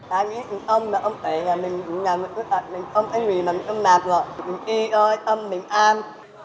y ơi tâm mình an